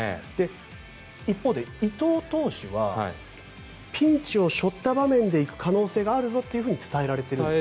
一方で、伊藤投手はピンチを背負った場面で行く可能性があるぞと伝えられているんですか？